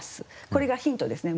これがヒントですね。